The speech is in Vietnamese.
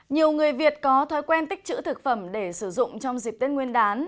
nhiều người việt có thói quen tích chữ thực phẩm để sử dụng trong dịp tết nguyên đán